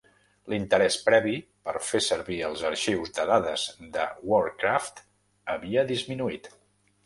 L'interès previ per fer servir els arxius de dades de WarCraft havia disminuït.